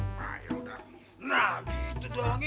nah gitu dong